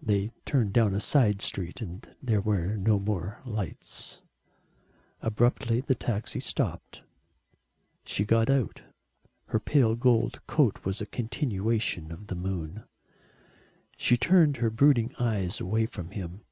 They turned down a side street and there were no more lights. Abruptly the taxi stopped. She got out. Her pale gold coat was a continuation of the moon. She turned her brooding eyes away from him.